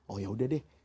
oh yaudah deh